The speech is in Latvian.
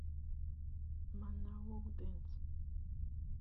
Man nav ūdens.